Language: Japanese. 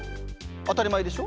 当たり前でしょ。